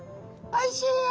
「おいしいよ。